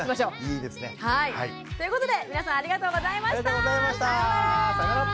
いいですね。ということで皆さんありがとうございました！さようなら！